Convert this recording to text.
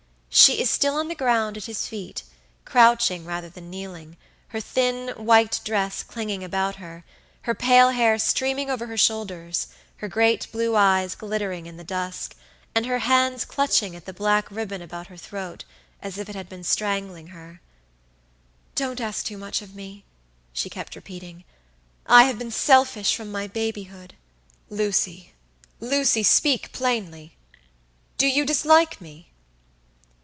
She is still on the ground at his feet, crouching rather than kneeling, her thin white dress clinging about her, her pale hair streaming over her shoulders, her great blue eyes glittering in the dusk, and her hands clutching at the black ribbon about her throat, as if it had been strangling her. "Don't ask too much of me," she kept repeating; "I have been selfish from my babyhood." "LucyLucy, speak plainly. Do you dislike me?"